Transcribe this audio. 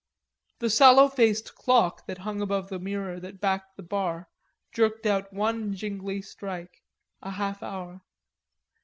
The sallow faced clock that hung above the mirror that backed the bar, jerked out one jingly strike, a half hour.